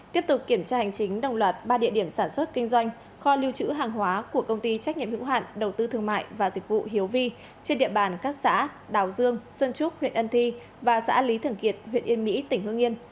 tiếp tục kiểm tra hành chính đồng loạt ba địa điểm sản xuất kinh doanh kho lưu trữ hàng hóa của công ty trách nhiệm hữu hạn đầu tư thương mại và dịch vụ hiếu vi trên địa bàn các xã đào dương xuân trúc huyện ân thi và xã lý thường kiệt huyện yên mỹ tỉnh hương yên